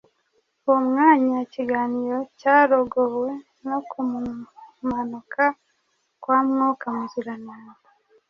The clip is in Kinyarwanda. Uwo mwanya, ikiganiro cyarogowe no kumanuka kwa Mwuka Muziranenge.